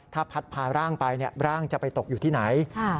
ถ้าพัดพาร่างไปร่างจะไปตกอยู่ที่ไหน